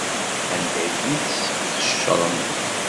Anda ay ten-tesqecrem?